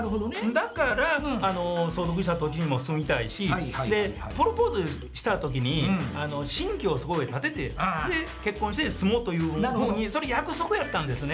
だから相続した土地にも住みたいしプロポーズした時に新居をそこへ建ててで結婚して住もうというふうにそれ約束やったんですね。